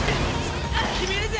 決めるぜ！